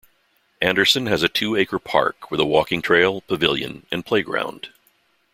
Anderson has a two-acre park with a walking trail, pavilion, and play ground.